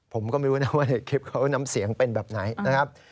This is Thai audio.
ผมก็ไม่รู้นะว่าในคลิปเขาน้ำเสียงเป็นแบบไหนนะครับ